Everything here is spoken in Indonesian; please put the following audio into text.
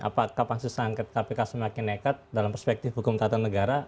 apakah pansus angket kpk semakin nekat dalam perspektif hukum tata negara